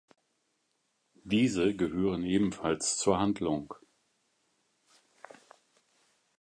Diese gehören ebenfalls zur Handlung.